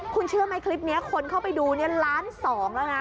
คุณเชื่อไหมคลิปนี้คนเข้าไปดูล้านสองแล้วนะ